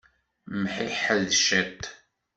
Mḥiḥed ciṭ.